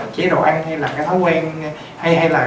chế độ ăn hay là cái thói quen hay hay là